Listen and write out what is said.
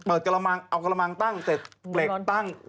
เอากระมังตั้งเสร็จเปรกตั้ง